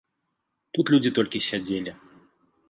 Тут людзі толькі сядзелі.